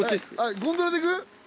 ゴンドラで行く？